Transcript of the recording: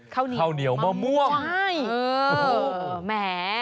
เข้าเหนียวมะม่วงมะม่วงใช่โอ้โฮโอ้โฮแหม